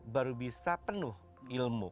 baru bisa penuh ilmu